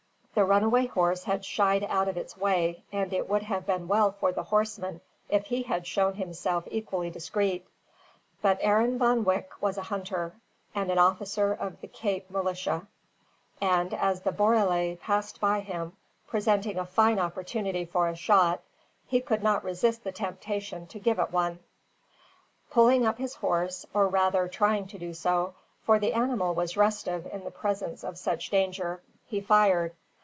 The runaway horse had shied out of its way; and it would have been well for the horseman if he had shown himself equally discreet. But Arend Von Wyk was a hunter, and an officer of the Cape Militia, and as the borele passed by him, presenting a fine opportunity for a shot, he could not resist the temptation to give it one. Pulling up his horse, or rather trying to do so, for the animal was restive in the presence of such danger, he fired.